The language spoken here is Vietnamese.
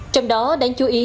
trong đó đáng chú ý